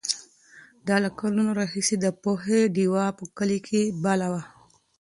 ده له کلونو راهیسې د پوهې ډېوه په کلي کې بلوله.